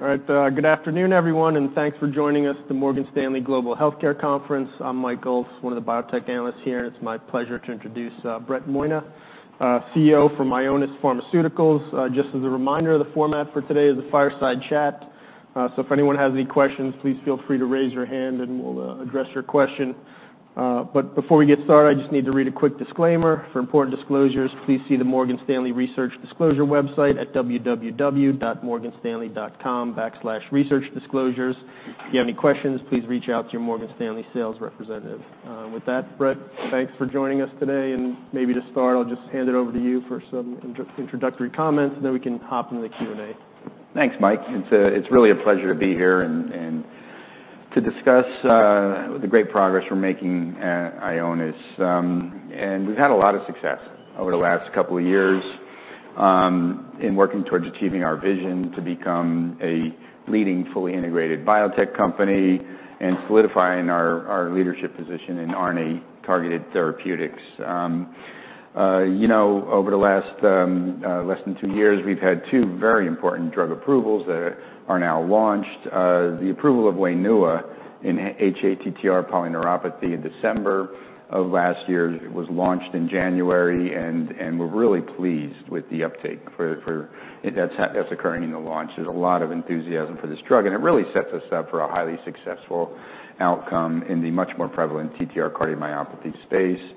All right, good afternoon, everyone, and thanks for joining us at the Morgan Stanley Global Healthcare Conference. I'm Mike Ulz, one of the Biotech Analysts here, and it's my pleasure to introduce Brett Monia, CEO for Ionis Pharmaceuticals. Just as a reminder, the format for today is a fireside chat. So if anyone has any questions, please feel free to raise your hand, and we'll address your question. But before we get started, I just need to read a quick disclaimer. "For important disclosures, please see the Morgan Stanley Research Disclosure website at www.morganstanley.com/researchdisclosures. If you have any questions, please reach out to your Morgan Stanley sales representative." With that, Brett, thanks for joining us today, and maybe to start, I'll just hand it over to you for some introductory comments, and then we can hop into the Q&A. Thanks, Mike. It's really a pleasure to be here and to discuss the great progress we're making at Ionis. And we've had a lot of success over the last couple of years in working towards achieving our vision to become a leading, fully integrated biotech company and solidifying our leadership position in RNA-targeted therapeutics. You know, over the last less than two years, we've had two very important drug approvals that are now launched. The approval of Wainua in hATTR polyneuropathy in December of last year. It was launched in January, and we're really pleased with the uptake for. That's occurring in the launch. There's a lot of enthusiasm for this drug, and it really sets us up for a highly successful outcome in the much more prevalent TTR cardiomyopathy space.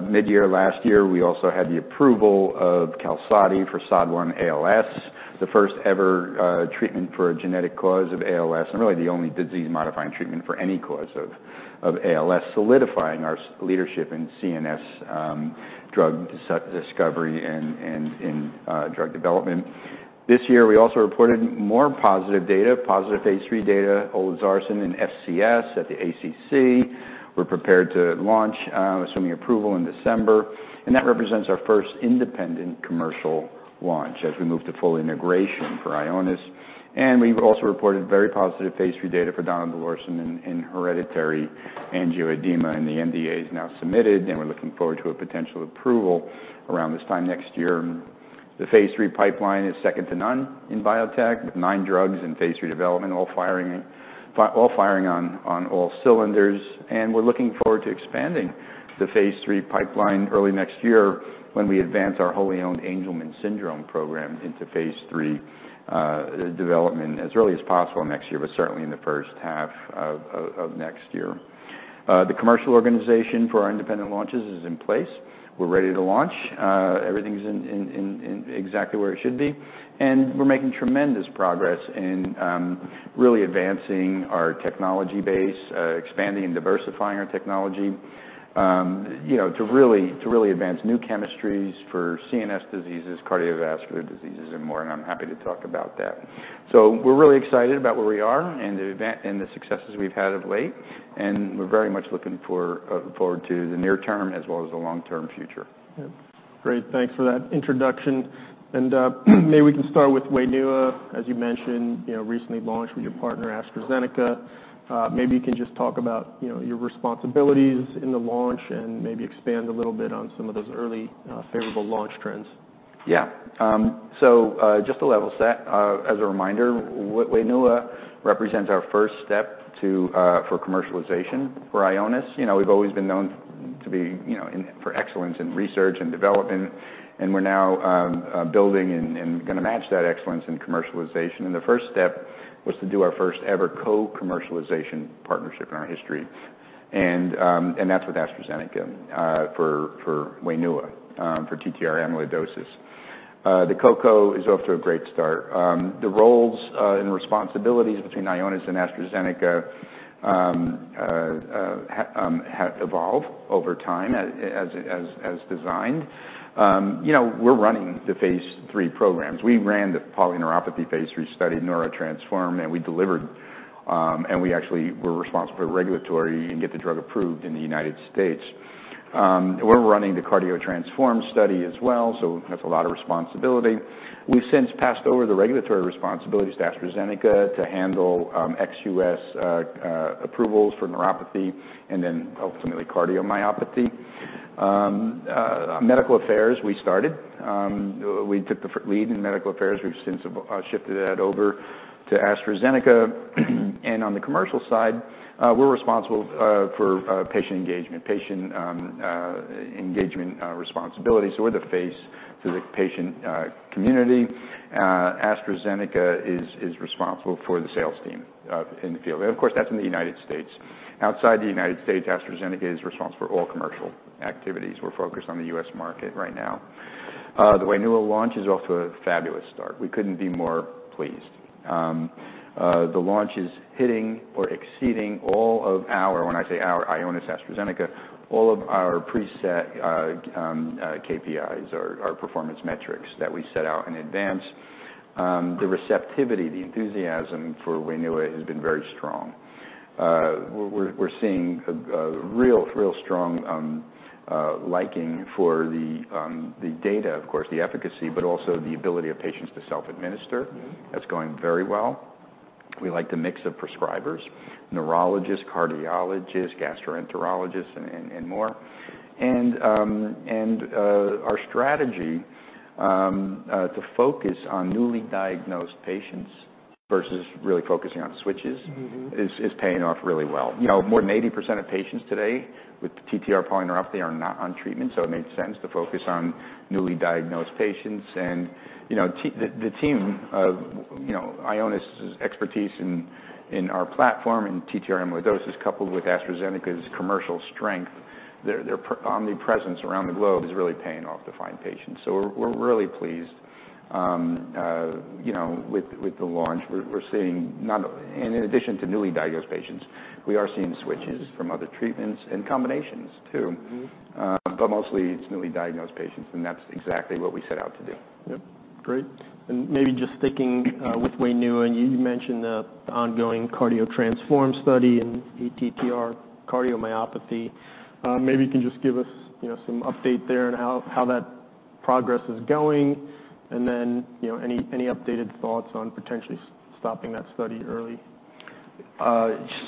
Mid-year last year, we also had the approval of QALSODY for SOD1-ALS, the first-ever treatment for a genetic cause of ALS, and really the only disease-modifying treatment for any cause of ALS, solidifying our leadership in CNS drug discovery and in drug development. This year, we also reported more positive data, positive phase III data, olezarsen in FCS at the ACC. We're prepared to launch, assuming approval in December, and that represents our first independent commercial launch as we move to full integration for Ionis. And we've also reported very positive phase III data for donidalorsen in hereditary angioedema, and the NDA is now submitted, and we're looking forward to a potential approval around this time next year. The phase III pipeline is second to none in biotech, with nine drugs in phase III development, all firing on all cylinders. We're looking forward to expanding the phase III pipeline early next year when we advance our wholly-owned Angelman syndrome program into phase III development as early as possible next year, but certainly in the first half of next year. The commercial organization for our independent launches is in place. We're ready to launch. Everything's in exactly where it should be, and we're making tremendous progress in really advancing our technology base, expanding and diversifying our technology, you know, to really advance new chemistries for CNS diseases, cardiovascular diseases, and more, and I'm happy to talk about that. We're really excited about where we are and the successes we've had of late, and we're very much looking forward to the near term as well as the long-term future. Yeah. Great, thanks for that introduction. And, maybe we can start with Wainua, as you mentioned, you know, recently launched with your partner, AstraZeneca. Maybe you can just talk about, you know, your responsibilities in the launch and maybe expand a little bit on some of those early, favorable launch trends. Yeah. So, just to level set, as a reminder, Wainua represents our first step to commercialization for Ionis. You know, we've always been known to be, you know, for excellence in research and development, and we're now building and gonna match that excellence in commercialization. The first step was to do our first-ever co-commercialization partnership in our history. And that's with AstraZeneca, for Wainua, for TTR amyloidosis. The co-commercialization is off to a great start. The roles and responsibilities between Ionis and AstraZeneca have evolved over time as designed. You know, we're running the phase III programs. We ran the polyneuropathy phase III study, NEURO-TTRansform, and we delivered, and we actually were responsible for the regulatory and get the drug approved in the United States. We're running the CARDIO-TTRansform study as well, so that's a lot of responsibility. We've since passed over the regulatory responsibilities to AstraZeneca to handle ex US approvals for neuropathy and then ultimately cardiomyopathy. Medical affairs, we started. We took the lead in medical affairs. We've since shifted that over to AstraZeneca. And on the commercial side, we're responsible for patient engagement responsibilities. We're the face to the patient community. AstraZeneca is responsible for the sales team in the field, and of course, that's in the United States. Outside the United States, AstraZeneca is responsible for all commercial activities. We're focused on the US market right now. The Wainua launch is off to a fabulous start. We couldn't be more pleased. The launch is hitting or exceeding all of our. When I say our, Ionis AstraZeneca, all of our preset KPIs, our performance metrics that we set out in advance. The receptivity, the enthusiasm for Wainua has been very strong. We're seeing a real strong liking for the data, of course, the efficacy, but also the ability of patients to self-administer. Mm-hmm. That's going very well. We like the mix of prescribers, neurologists, cardiologists, gastroenterologists, and more. And our strategy to focus on newly diagnosed patients versus really focusing on switches is paying off really well. Yep. You know, more than 80% of patients today with TTR polyneuropathy are not on treatment, so it makes sense to focus on newly diagnosed patients. And, you know, the team of, you know, Ionis' expertise in our platform and TTR amyloidosis, coupled with AstraZeneca's commercial strength, their omnipresence around the globe is really paying off to find patients. So we're seeing, and in addition to newly diagnosed patients, we are seeing switches from other treatments and combinations, too. Mm-hmm. But mostly it's newly diagnosed patients, and that's exactly what we set out to do. Yep. Great. And maybe just sticking with Wainua, you mentioned the ongoing CARDIO-TTRansform study in ATTR cardiomyopathy. Maybe you can just give us, you know, some update there on how that progress is going, and then, you know, any updated thoughts on potentially stopping that study early?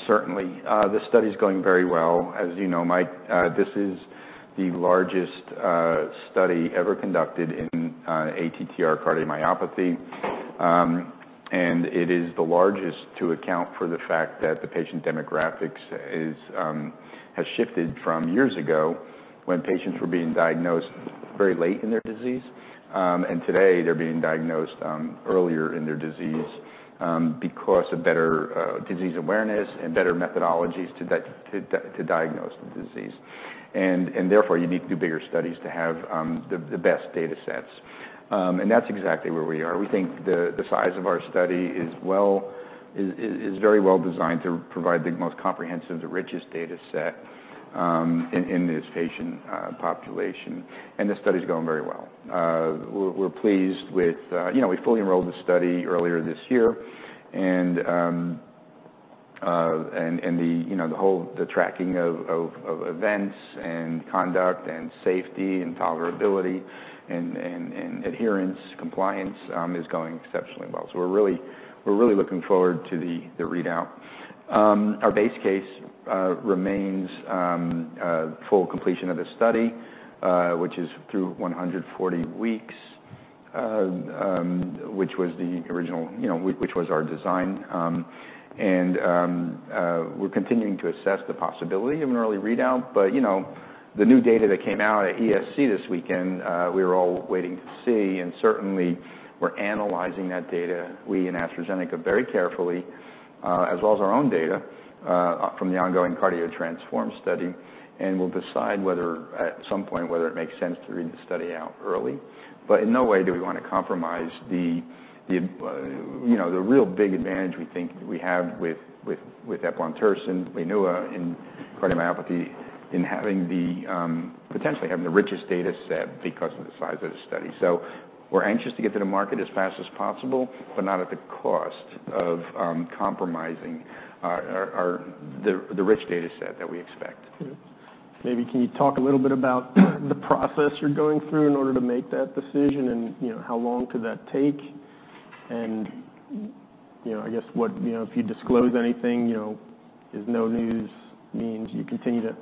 Certainly. The study's going very well. As you know, Mike, this is the largest study ever conducted in ATTR cardiomyopathy. It is the largest to account for the fact that the patient demographics has shifted from years ago, when patients were being diagnosed very late in their disease. Today, they're being diagnosed earlier in their disease because of better disease awareness and better methodologies to diagnose the disease. Therefore, you need to do bigger studies to have the best data sets. That's exactly where we are. We think the size of our study is very well designed to provide the most comprehensive, the richest data set in this patient population, and the study's going very well. We're pleased with, you know, we fully enrolled the study earlier this year, and you know, the whole tracking of events and conduct, and safety, and tolerability, and adherence, compliance is going exceptionally well. So we're really looking forward to the readout. Our base case remains full completion of the study, which is through 140 weeks, which was the original. You know, which was our design. And, we're continuing to assess the possibility of an early readout, but, you know, the new data that came out at ESC this weekend, we were all waiting to see, and certainly we're analyzing that data, we and AstraZeneca, very carefully, as well as our own data, from the ongoing CARDIO-TTRansform study. And we'll decide whether, at some point, whether it makes sense to read the study out early. But in no way do we want to compromise the, you know, the real big advantage we think we have with eplontersen, Wainua, in cardiomyopathy, in having the, potentially having the richest data set because of the size of the study. So we're anxious to get to the market as fast as possible, but not at the cost of compromising our rich data set that we expect. Yeah. Maybe can you talk a little bit about the process you're going through in order to make that decision? And, you know, how long could that take? And, you know, I guess, what- you know, if you disclose anything, you know, if no news means you continue to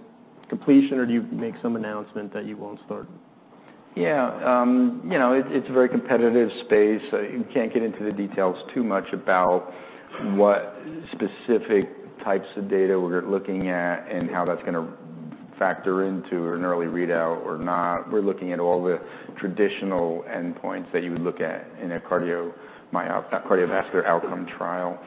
completion, or do you make some announcement that you won't start? Yeah. You know, it, it's a very competitive space. You can't get into the details too much about what specific types of data we're looking at and how that's gonna factor into an early readout or not. We're looking at all the traditional endpoints that you would look at in a cardiomyopathy- cardiovascular outcome trial.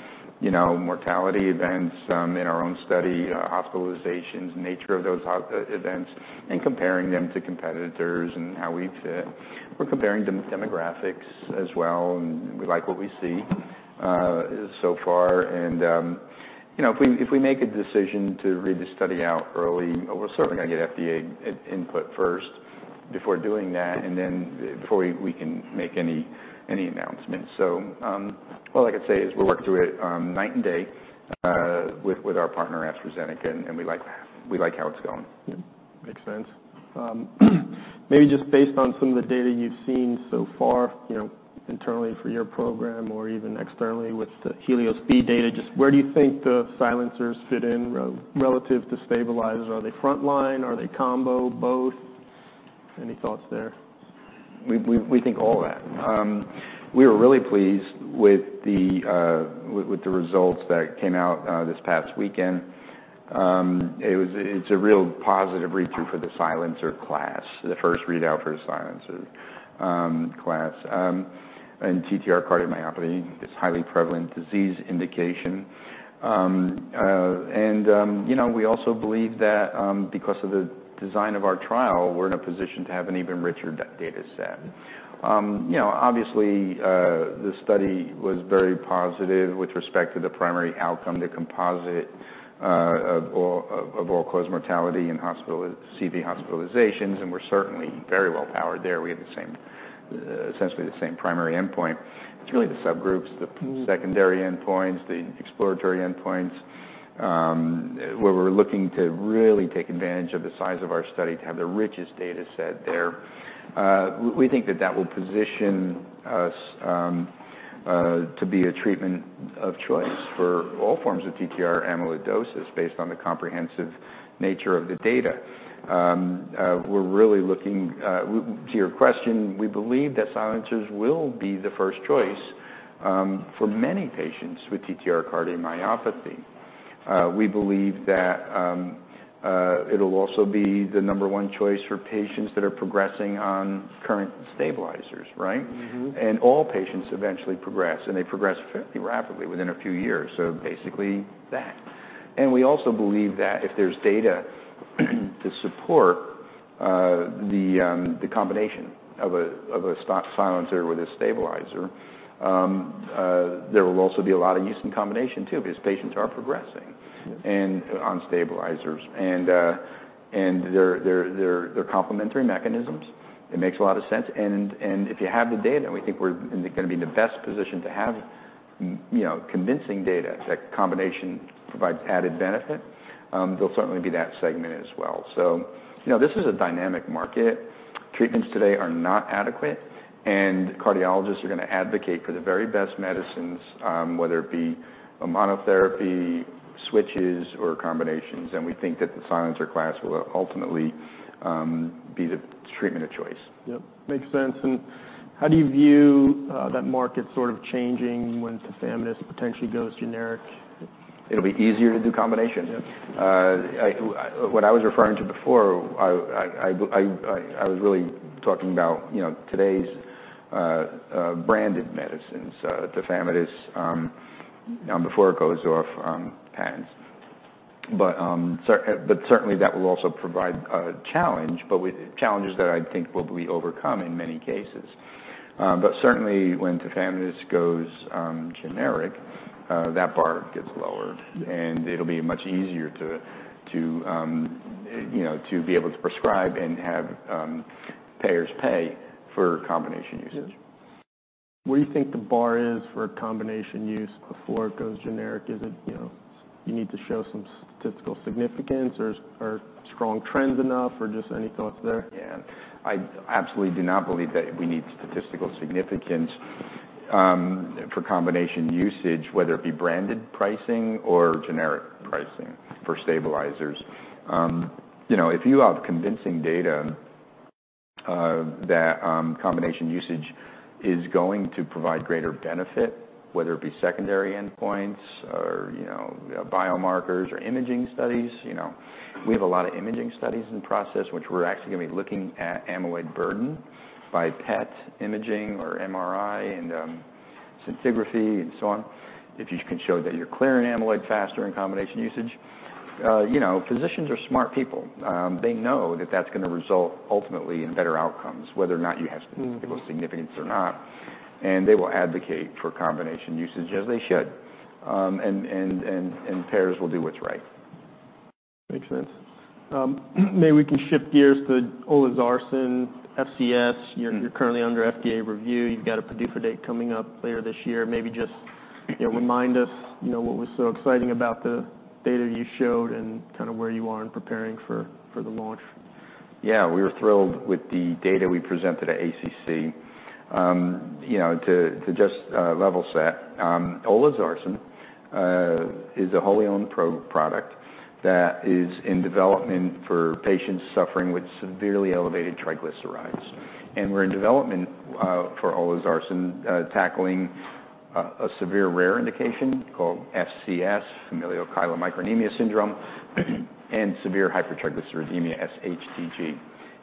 You know, mortality events, in our own study, hospitalizations, nature of those events, and comparing them to competitors and how we fit. We're comparing demographics as well, and we like what we see, so far, and you know, if we, if we make a decision to read the study out early, we're certainly gonna get FDA input first before doing that, and then before we, we can make any, any announcements. All I can say is we're working through it, night and day, with our partner, AstraZeneca, and we like how it's going. Yeah. Makes sense. Maybe just based on some of the data you've seen so far, you know, internally for your program or even externally with the HELIOS-B data, just where do you think the silencers fit in relative to stabilizers? Are they frontline? Are they combo? Both? Any thoughts there? We think all that. We were really pleased with the results that came out this past weekend. It was a real positive readthrough for the silencer class, the first readout for the silencers class, and TTR cardiomyopathy is a highly prevalent disease indication. You know, we also believe that because of the design of our trial, we're in a position to have an even richer data set. You know, obviously, the study was very positive with respect to the primary outcome, the composite of all-cause mortality and hospital CV hospitalizations, and we're certainly very well powered there. We have the same, essentially the same primary endpoint. It's really the subgroups, the secondary endpoints, the exploratory endpoints. Where we're looking to really take advantage of the size of our study to have the richest data set there. We think that that will position us to be a treatment of choice for all forms of TTR amyloidosis, based on the comprehensive nature of the data. We're really looking to your question, we believe that silencers will be the first choice for many patients with TTR cardiomyopathy. We believe that it'll also be the number one choice for patients that are progressing on current stabilizers, right? Mm-hmm. And all patients eventually progress, and they progress fairly rapidly within a few years, so basically that. And we also believe that if there's data to support the combination of a silencer with a stabilizer, there will also be a lot of use in combination, too, because patients are progressing. Yes And on stabilizers, and they're complementary mechanisms. It makes a lot of sense, and if you have the data, and we think we're gonna be in the best position to have you know, convincing data that combination provides added benefit. There'll certainly be that segment as well. You know, this is a dynamic market. Treatments today are not adequate, and cardiologists are gonna advocate for the very best medicines, whether it be a monotherapy, switches, or combinations, and we think that the silencer class will ultimately be the treatment of choice. Yep, makes sense. And how do you view that market sort of changing when tafamidis potentially goes generic? It'll be easier to do combination. Yeah. What I was referring to before, I was really talking about, you know, today's branded medicines, tafamidis, before it goes off patents. But certainly that will also provide a challenge, but with challenges that I think will be overcome in many cases. But certainly when tafamidis goes generic, that bar gets lowered, and it'll be much easier to, you know, to be able to prescribe and have payers pay for combination usage. Yeah. Where do you think the bar is for combination use before it goes generic? Is it, you know, you need to show some statistical significance, or is, or strong trends enough, or just any thoughts there? Yeah. I absolutely do not believe that we need statistical significance for combination usage, whether it be branded pricing or generic pricing for stabilizers. You know, if you have convincing data that combination usage is going to provide greater benefit, whether it be secondary endpoints or, you know, biomarkers or imaging studies. You know, we have a lot of imaging studies in process, which we're actually gonna be looking at amyloid burden by PET imaging or MRI, and scintigraphy, and so on. If you can show that you're clearing amyloid faster in combination usage, you know, physicians are smart people. They know that that's gonna result ultimately in better outcomes, whether or not you have. Mm Statistical significance or not, and they will advocate for combination usage, as they should, and payers will do what's right. Makes sense. Maybe we can shift gears to olezarsen, FCS. Mm-hmm. You're currently under FDA review. You've got a PDUFA date coming up later this year. Maybe just. Mm You know, remind us, you know, what was so exciting about the data you showed and kind of where you are in preparing for, for the launch. Yeah. We were thrilled with the data we presented at ACC. You know, to just level set, olezarsen is a wholly owned product that is in development for patients suffering with severely elevated triglycerides. And we're in development for olezarsen tackling a severe rare indication called FCS, familial chylomicronemia syndrome, and severe hypertriglyceridemia, SHTG.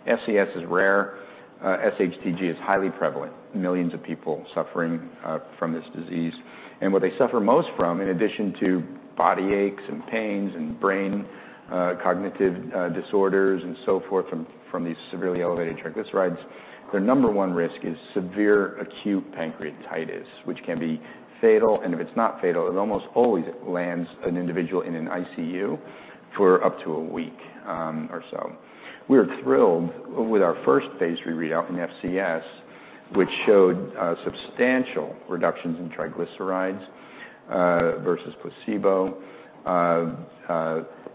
FCS is rare. SHTG is highly prevalent, millions of people suffering from this disease. And what they suffer most from, in addition to body aches and pains and brain cognitive disorders, and so forth, from these severely elevated triglycerides, their number one risk is severe acute pancreatitis, which can be fatal, and if it's not fatal, it almost always lands an individual in an ICU for up to a week or so. We were thrilled with our first phase III readout in FCS, which showed substantial reductions in triglycerides,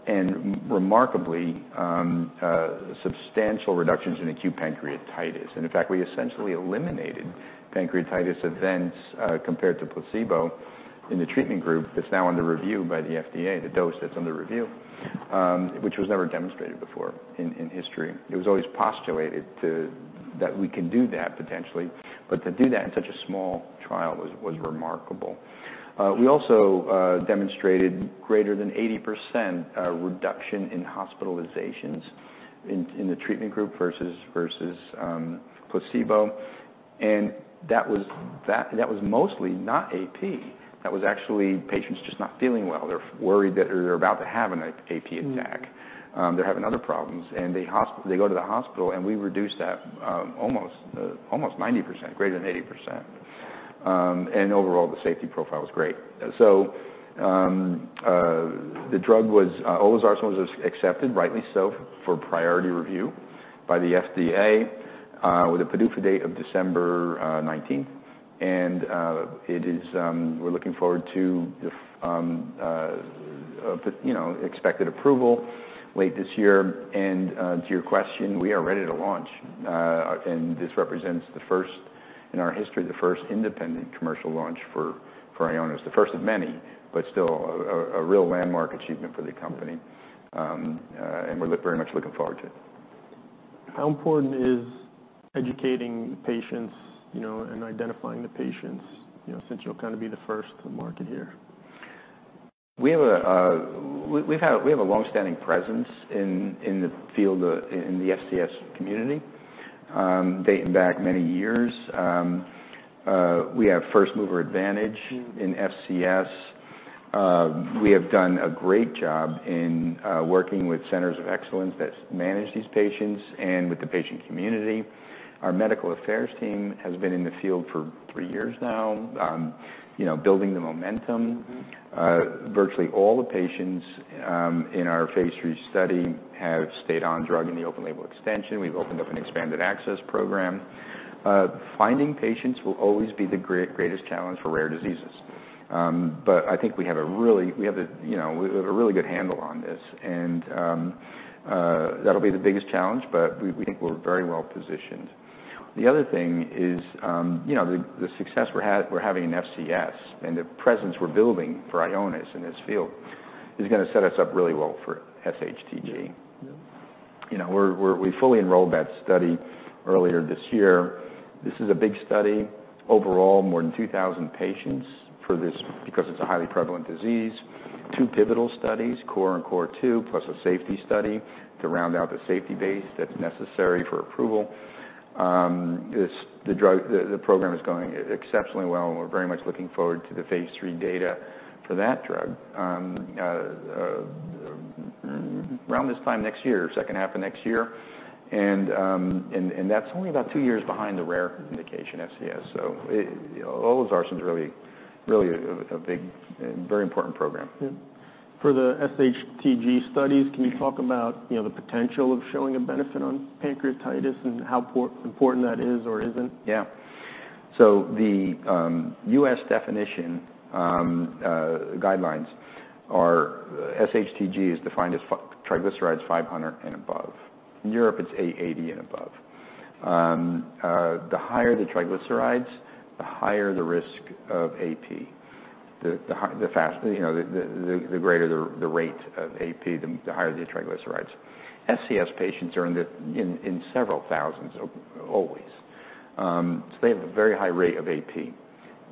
and remarkably substantial reductions in acute pancreatitis. And in fact, we essentially eliminated pancreatitis events compared to placebo in the treatment group that's now under review by the FDA, the dose that's under review, which was never demonstrated before in history. It was always postulated that we can do that potentially, but to do that in such a small trial was remarkable. We also demonstrated greater than 80% reduction in hospitalizations in the treatment group versus placebo, and that was mostly not AP. That was actually patients just not feeling well. They're worried that they're about to have an AP attack. Mm They're having other problems, and they go to the hospital, and we reduced that almost 90%, greater than 80%. And overall, the safety profile was great. So, the drug, olezarsen, was accepted, rightly so, for priority review by the FDA, with a PDUFA date of December 19th. And it is, we're looking forward to the, you know, expected approval late this year. To your question, we are ready to launch. And this represents the first in our history, the first independent commercial launch for Ionis. The first of many, but still a real landmark achievement for the company. And we're very much looking forward to it. How important is educating patients, you know, and identifying the patients, you know, since you'll kind of be the first to market here? We have a long-standing presence in the field in the FCS community, dating back many years. We have first mover advantage in FCS. We have done a great job in working with centers of excellence that manage these patients and with the patient community. Our medical affairs team has been in the field for three years now, you know, building the momentum. Mm-hmm. Virtually all the patients in our phase III study have stayed on drug in the open-label extension. We've opened up an expanded access program. Finding patients will always be the greatest challenge for rare diseases. But I think we have a really good handle on this, you know, and that'll be the biggest challenge, but we think we're very well positioned. The other thing is, you know, the success we're having in FCS and the presence we're building for Ionis in this field is gonna set us up really well for SHTG. Yeah. You know, we fully enrolled that study earlier this year. This is a big study. Overall, more than 2,000 patients for this, because it is a highly prevalent disease. Two pivotal studies, core and core two, plus a safety study to round out the safety base that is necessary for approval. This, the drug, the program is going exceptionally well, and we are very much looking forward to the phase III data for that drug around this time next year, second half of next year. And that is only about 2 years behind the rare indication, FCS. So olezarsen is really a big and very important program. Yeah. For the SHTG studies, can you talk about, you know, the potential of showing a benefit on pancreatitis and how important that is or isn't? Yeah. So the US definition guidelines are SHTG is defined as triglycerides 500 and above. In Europe, it's 88 and above. The higher the triglycerides, the higher the risk of AP. The higher, the faster you know, the greater the rate of AP, the higher the triglycerides. FCS patients are in the several thousands always. So they have a very high rate of AP.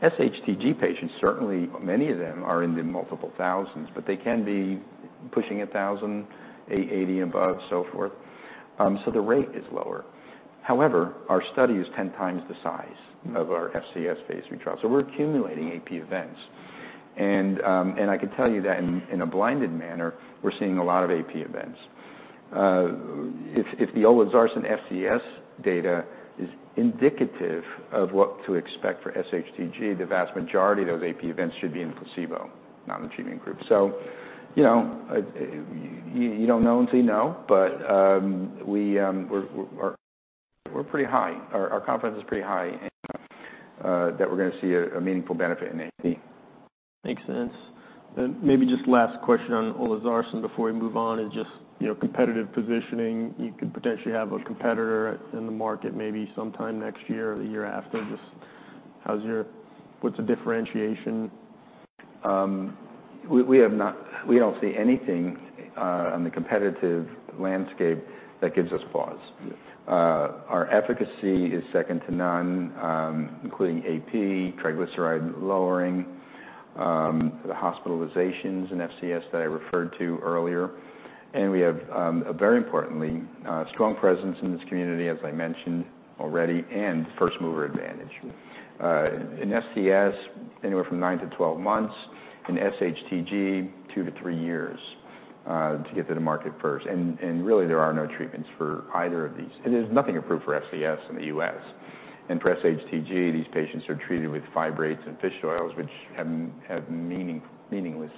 SHTG patients, certainly many of them are in the multiple thousands, but they can be pushing a thousand, 88 above, so forth. So the rate is lower. However, our study is ten times the size of our FCS phase III trial, so we're accumulating AP events. And I can tell you that in a blinded manner, we're seeing a lot of AP events. If the olezarsen FCS data is indicative of what to expect for SHTG, the vast majority of those AP events should be in the placebo, not achieving group. So, you know, you don't know until you know, but, we're pretty high. Our confidence is pretty high that we're gonna see a meaningful benefit in AP. Makes sense. Then maybe just last question on olezarsen before we move on, is just, you know, competitive positioning. You could potentially have a competitor in the market maybe sometime next year or the year after. Just how's your, what's the differentiation? We have not, we don't see anything on the competitive landscape that gives us pause. Yeah. Our efficacy is second to none, including AP, triglyceride lowering, the hospitalizations and FCS that I referred to earlier, and we have a very importantly strong presence in this community, as I mentioned already, and first mover advantage. Yeah. In FCS, anywhere from nine to 12 months, in SHTG, two to three years, to get to the market first. And really, there are no treatments for either of these. And there's nothing approved for FCS in the U.S. And for SHTG, these patients are treated with fibrates and fish oils, which have meaningless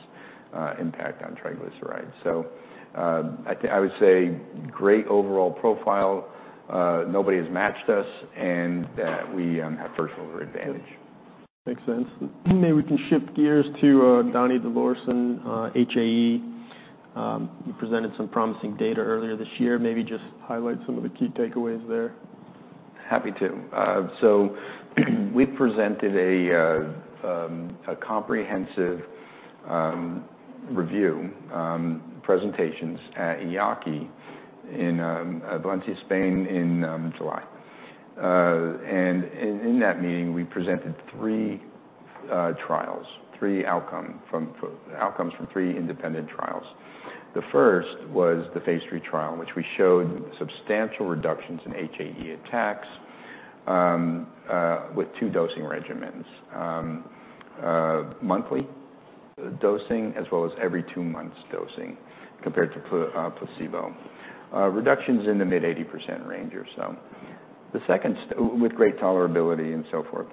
impact on triglycerides. So, I would say great overall profile, nobody has matched us, and we have first mover advantage. Makes sense. Maybe we can shift gears to donidalorsen, HAE. You presented some promising data earlier this year. Maybe just highlight some of the key takeaways there. Happy to. So we presented a comprehensive review, presentations at EAACI in Valencia, Spain, in July. And in that meeting, we presented three outcomes from three independent trials. The first was the phase III trial, which we showed substantial reductions in HAE attacks with two dosing regimens. Monthly dosing, as well as every two months dosing compared to placebo. Reductions in the mid-80% range or so with great tolerability and so forth.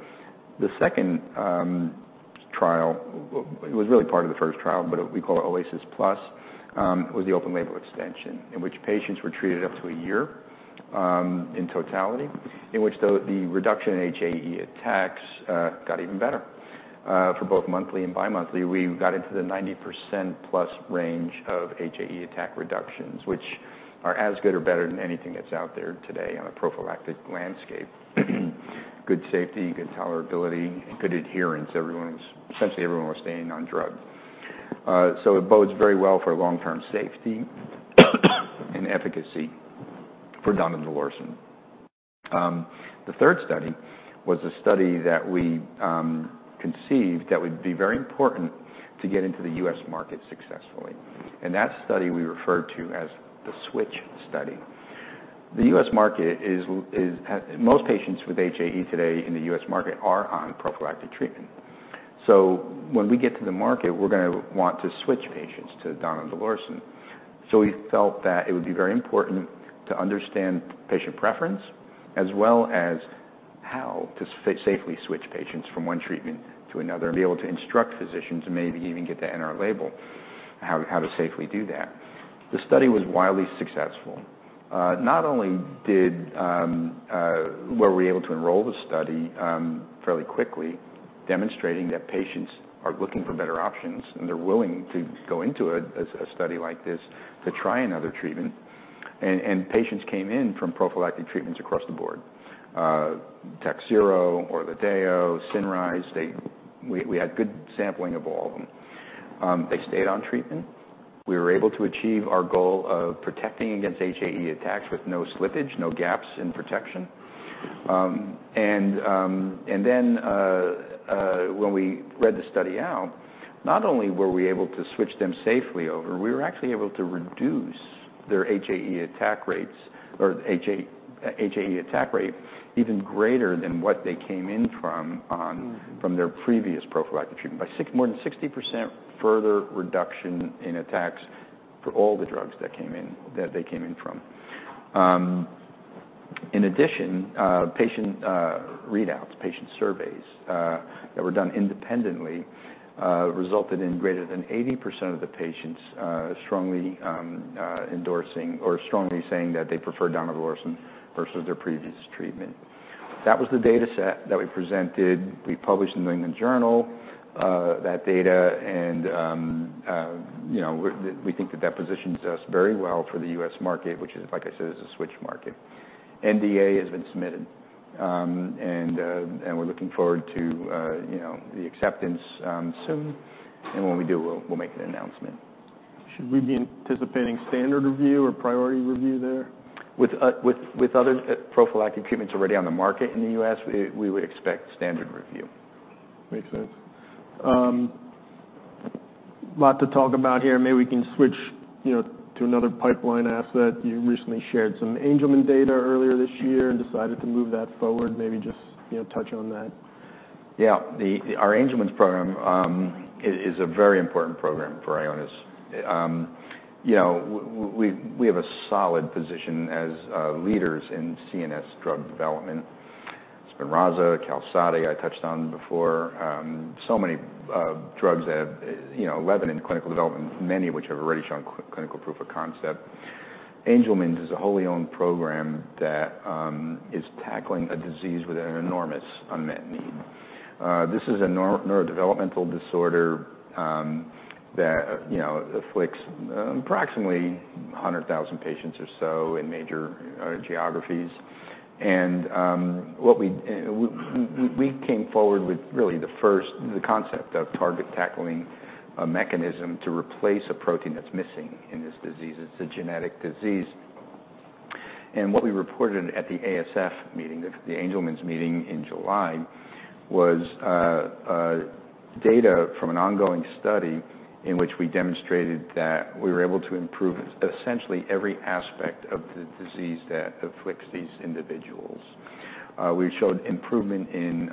The second trial, it was really part of the first trial, but we call it OASIS-Plus, was the open label extension, in which patients were treated up to a year in totality, in which the reduction in HAE attacks got even better. For both monthly and bimonthly, we got into the 90% plus range of HAE attack reductions, which are as good or better than anything that's out there today on a prophylactic landscape. Good safety, good tolerability, and good adherence. Essentially everyone was staying on drug. So it bodes very well for long-term safety and efficacy for donidalorsen. The third study was a study that we conceived that would be very important to get into the U.S. market successfully, and that study we referred to as the Switch Study. The U.S. market is. Most patients with HAE today in the U.S. market are on prophylactic treatment. So when we get to the market, we're gonna want to switch patients to donidalorsen. We felt that it would be very important to understand patient preference, as well as how to safely switch patients from one treatment to another, and be able to instruct physicians to maybe even get that in our label, how to safely do that. The study was wildly successful. Not only were we able to enroll the study fairly quickly, demonstrating that patients are looking for better options, and they're willing to go into a study like this to try another treatment. Patients came in from prophylactic treatments across the board. Takhzyro, Orladeyo, Cinryze. We had good sampling of all of them. They stayed on treatment. We were able to achieve our goal of protecting against HAE attacks with no slippage, no gaps in protection. When we read the study out, not only were we able to switch them safely over, we were actually able to reduce their HAE attack rates or HAE attack rate even greater than what they came in from their previous prophylactic treatment. By more than 60% further reduction in attacks for all the drugs that came in, that they came in from. In addition, patient readouts, patient surveys that were done independently resulted in greater than 80% of the patients strongly endorsing or strongly saying that they preferred donidalorsen versus their previous treatment. That was the dataset that we presented. We published in The New England Journal that data, and you know, we think that positions us very well for the U.S. market, which is, like I said, a switch market. NDA has been submitted, and we're looking forward to, you know, the acceptance soon, and when we do, we'll make an announcement. Should we be anticipating standard review or priority review there? With other prophylactic treatments already on the market in the U.S., we would expect standard review. Makes sense. A lot to talk about here. Maybe we can switch, you know, to another pipeline asset. You recently shared some Angelman data earlier this year and decided to move that forward. Maybe just, you know, touch on that. Yeah. Our Angelman’s program is a very important program for Ionis. You know, we have a solid position as leaders in CNS drug development. Spinraza, Qalsody, I touched on before. So many drugs that, you know, 11 in clinical development, many of which have already shown clinical proof of concept. Angelman’s is a wholly owned program that is tackling a disease with an enormous unmet need. This is a neurodevelopmental disorder that, you know, afflicts approximately 100,000 patients or so in major geographies, and what we came forward with really the first concept of target tackling a mechanism to replace a protein that's missing in this disease. It's a genetic disease. And what we reported at the ASF meeting, the Angelman's meeting in July, was data from an ongoing study in which we demonstrated that we were able to improve essentially every aspect of the disease that afflicts these individuals. We showed improvement in,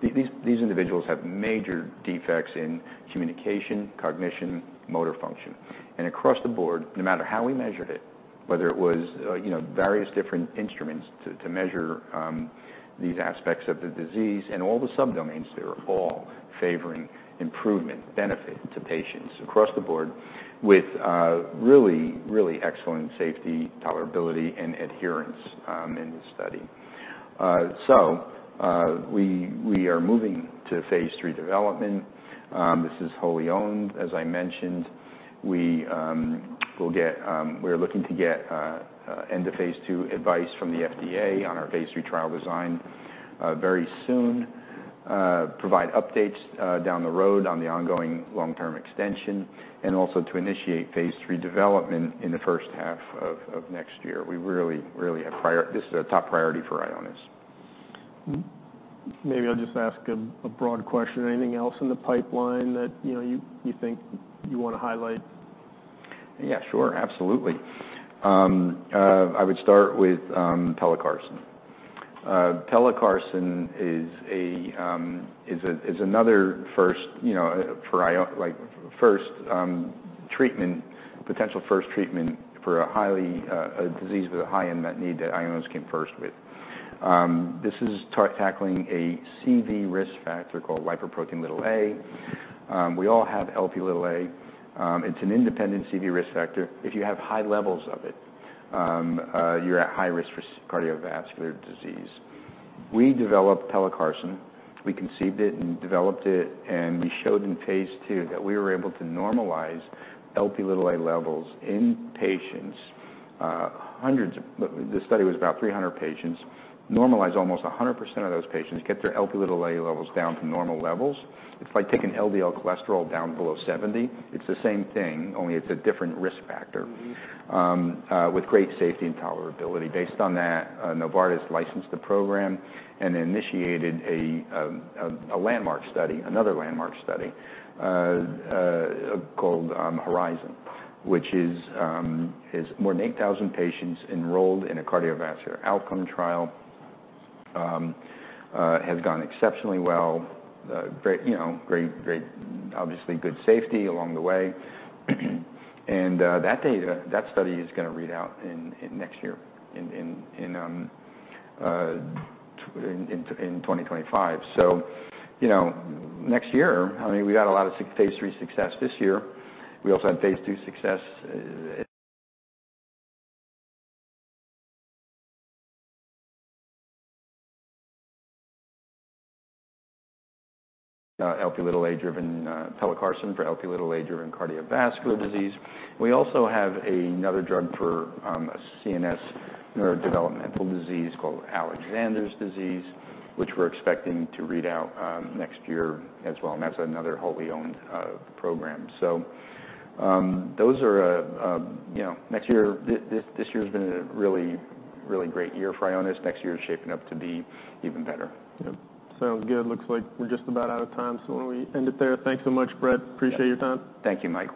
these individuals have major defects in communication, cognition, motor function. And across the board, no matter how we measured it, whether it was you know, various different instruments to measure these aspects of the disease and all the subdomains, they were all favoring improvement, benefit to patients across the board with really, really excellent safety, tolerability, and adherence in the study. So we are moving to phase III development. This is wholly owned, as I mentioned. We are looking to get end of phase II advice from the FDA on our phase III trial design very soon. Provide updates down the road on the ongoing long-term extension, and also to initiate phase III development in the first half of next year. We really, really have prior- this is a top priority for Ionis. Maybe I'll just ask a broad question: anything else in the pipeline that, you know, you think you want to highlight? Yeah, sure. Absolutely. I would start with pelacarsen. Pelacarsen is another first, you know, for Ionis like, first treatment potential first treatment for a highly a disease with a high unmet need that Ionis came first with. This is tackling a CV risk factor called lipoprotein(a). We all have Lp(a). It's an independent CV risk factor. If you have high levels of it, you're at high risk for cardiovascular disease. We developed pelacarsen. We conceived it and developed it, and we showed in phase II that we were able to normalize Lp(a) levels in patients. The study was about 300 patients, normalized almost 100% of those patients, get their Lp(a) levels down to normal levels. It's like taking LDL cholesterol down below 70. It's the same thing, only it's a different risk factor with great safety and tolerability. Based on that, Novartis licensed the program and initiated a landmark study, another landmark study called HORIZON, which is more than 8,000 patients enrolled in a cardiovascular outcome trial. Has gone exceptionally well. Very, you know, great, obviously good safety along the way. And that data, that study is gonna read out in next year, in 2025. So, you know, next year, I mean, we had a lot of phase III success this year. We also had phase II success, Lp(a) driven, Pelacarsen for Lp(a) driven cardiovascular disease. We also have another drug for a CNS neurodevelopmental disease called Alexander disease, which we're expecting to read out next year as well, and that's another wholly owned program. So, those are, you know, next year, this year's been a really, really great year for Ionis. Next year is shaping up to be even better. Yep. Sounds good. Looks like we're just about out of time, so why don't we end it there? Thanks so much, Brett. Appreciate your time. Thank you, Mike.